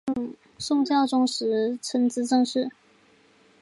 宋孝宗时参知政事。